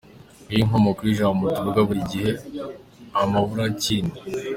Ngiyo inkomoko y’ijambo tuvuga buri gihe “Amaburakindi”.